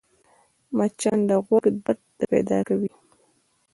مچان د غوږ درد پیدا کوي